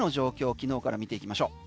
昨日から見ていきましょう。